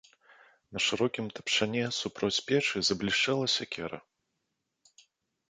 На шырокім тапчане супроць печы заблішчэла сякера.